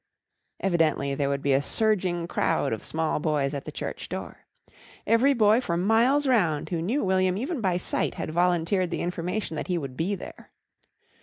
Evidently there would be a surging crowd of small boys at the church door. Every boy for miles round who knew William even by sight had volunteered the information that he would be there.